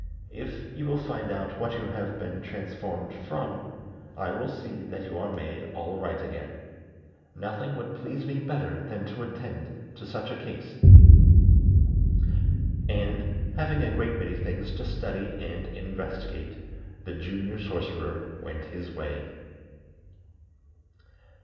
If you will find out what you have been transformed from, I will see that you are made all right again. Nothing would please me better than to attend to such a case." And, having a great many things to study and investigate, the Junior Sorcerer went his way.